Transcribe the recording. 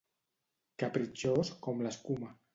Capritxós com l'escuma.